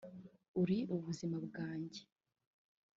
uri ubuzima bwanjye